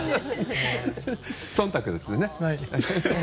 忖度ですよね。